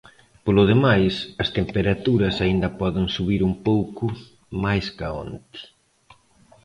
Polo demais, as temperaturas aínda poden subir un pouco máis ca onte.